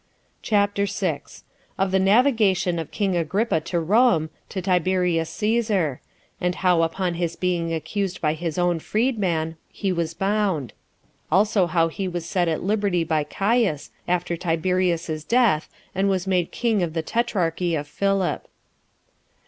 CHAPTER 6. Of The Navigation Of King Agrippa To Rome, To Tiberius Cæsar; And Now Upon His Being Accused By His Own Freed Man, He Was Bound; How Also He, Was Set At Liberty By Caius, After Tiberius's Death And Was Made King Of The Tetrarchy Of Philip.